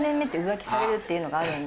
っていうのがあるんで。